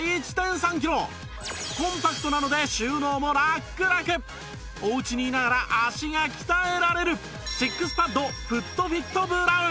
しかもお家にいながら足が鍛えられるシックスパッドフットフィットブラウン